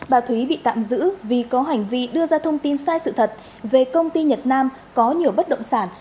bà thúy bị tạm giữ vì có hành vi đưa ra thông tin sai sự thật về công ty nhật nam có nhiều bất động sản